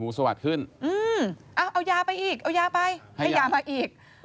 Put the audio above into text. สวัสดิ์ขึ้นเอายาไปอีกเอายาไปให้ยามาอีก